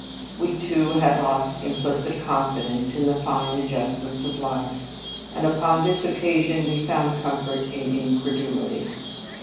We, too, had lost implicit confidence in the fine adjustments of life; and, upon this oc casion, we found comfort in incredu lity.